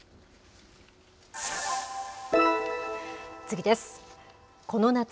次です。